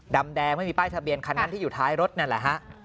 ดำแดงไม่มีป้ายทะเบียนคันนั้นที่อยู่ท้ายรถนั่นแหละฮะ